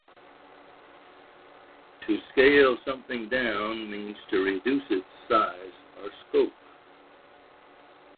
To scale something down means to reduce its size or scope.